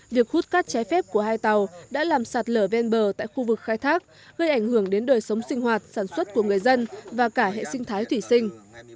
việc hút cát trái phép của hai tàu đã làm sạt lở ven bờ tại khu vực khai thác gây ảnh hưởng đến đời sống sinh hoạt sản xuất của người dân và cả hệ sinh thái thủy sinh